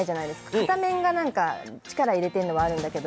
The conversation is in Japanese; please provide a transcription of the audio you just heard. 片面が力入れてるのはあるんですけど